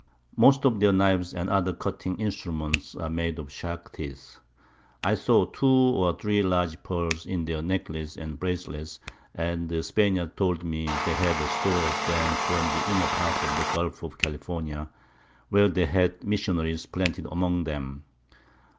Most of their Knives and other cutting Instruments are made of Sharks Teeth. I saw 2 or 3 large Pearl in their Necklaces and Bracelets, and the Spaniards told me they had Store of them from the inner part of the Gulph of California, where they have Missionaries planted among them.